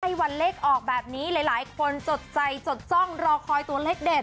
วันเลขออกแบบนี้หลายคนจดใจจดจ้องรอคอยตัวเลขเด็ด